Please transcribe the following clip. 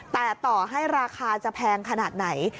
แต่ต่อให้ราคาจะแพงขนาดไหน